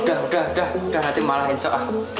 udah udah udah nanti malah encok